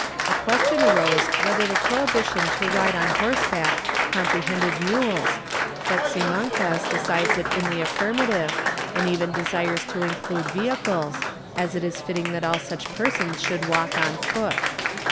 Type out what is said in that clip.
A question arose whether the prohibition to ride on horseback com prehended mules, but Simancas decides it in the affirmative, and even desires to include vehicles, as it is fitting that all such persons should walk on foot.